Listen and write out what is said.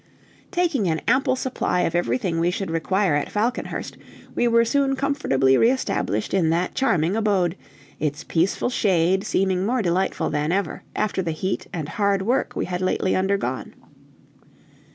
Taking an ample supply of everything we should require at Falconhurst, we were soon comfortably reestablished in that charming abode, its peaceful shade seeming more delightful than ever, after the heat and hard work we had lately undergone.